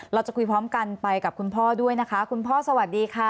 เราจะคุยพร้อมกันไปกับคุณพ่อด้วยนะคะคุณพ่อสวัสดีค่ะ